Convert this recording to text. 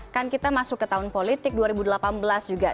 kan kita masuk ke tahun politik dua ribu delapan belas juga